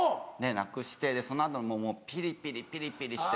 なくしてでその後もうピリピリピリピリしてて。